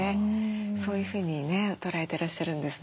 そういうふうにね捉えてらっしゃるんですね。